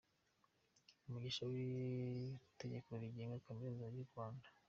Umushinga w’Itegeko rigenga Kaminuza y’u Rwanda;